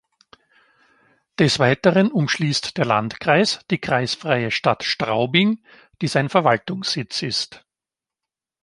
Des Weiteren umschließt der Landkreis die kreisfreie Stadt Straubing, die sein Verwaltungssitz ist.